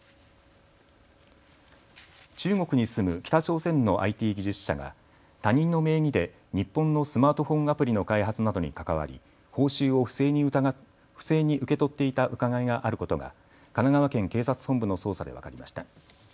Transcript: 中国に住む北朝鮮のＩＴ技術者が他人の名義で日本のスマートフォンアプリの開発などに関わり報酬を不正に受け取っていた疑いがあることが神奈川県警察本部の捜査で分かりました。